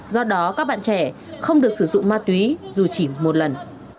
do đó các bạn trẻ không được sử dụng ma túy dù chỉ một lần